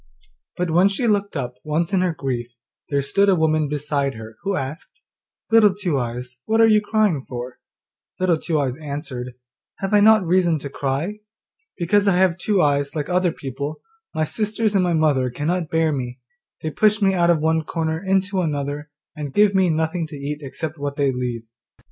But when she looked up once in her grief there stood a woman beside her who asked, 'Little Two eyes, what are you crying for?' Little Two eyes answered, 'Have I not reason to cry? Because I have two eyes like other people, my sisters and my mother cannot bear me; they push me out of one corner into another, and give me nothing to eat except what they leave.